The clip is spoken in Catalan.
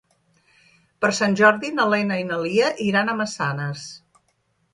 Per Sant Jordi na Lena i na Lia iran a Massanes.